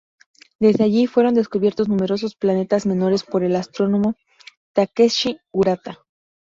Desde allí fueron descubiertos numerosos planetas menores por el astrónomo Takeshi Urata.